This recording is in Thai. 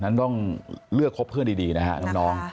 นั้นต้องเลือกคบเพื่อนดีนะฮะน้อง